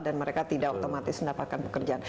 dan mereka tidak otomatis mendapatkan pekerjaan